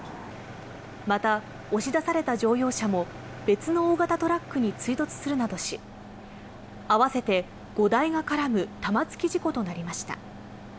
また、押し出された乗用車も別の大型トラックに追突するなどし、合わせて５台が絡む玉突き事故となりました。